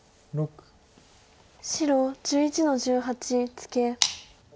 白１１の十八ツケ。